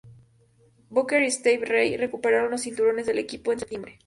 Booker y Stevie Ray recuperaron los cinturones del equipo en septiembre.